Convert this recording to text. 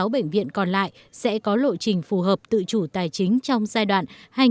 ba mươi sáu bệnh viện còn lại sẽ có lộ trình phù hợp tự chủ tài chính trong giai đoạn hai nghìn một mươi tám hai nghìn hai mươi